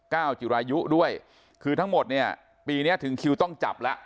จิรายุด้วยคือทั้งหมดเนี่ยปีเนี้ยถึงคิวต้องจับแล้ว